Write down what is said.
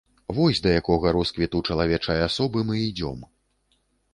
Вось да якога росквіту чалавечай асобы мы ідзём.